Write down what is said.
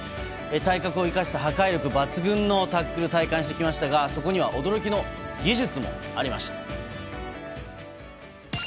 体格を生かした破壊力抜群のタックルを体感してきましたがそこには驚きの技術もありました。